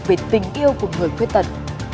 về tình yêu của người khuyết tật